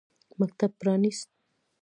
مکتب پرانیست.